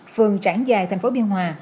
phường trảng dài thành phố biên hòa